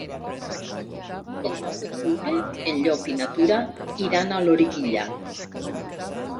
El nou d'octubre en Llop i na Tura iran a Loriguilla.